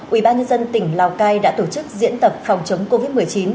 ubnd tỉnh lào cai đã tổ chức diễn tập phòng chống covid một mươi chín